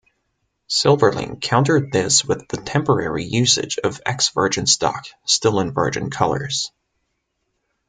Silverlink countered this with the temporary usage of ex-Virgin stock, still in Virgin colours.